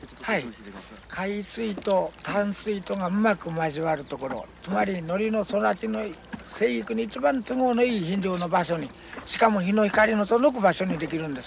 はい海水と淡水とがうまく交わる所つまりノリの育ちの生育に一番都合のいい場所にしかも日の光の届く場所に出来るんですね。